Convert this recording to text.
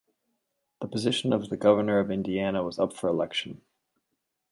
The position of the Governor of Indiana was up for election.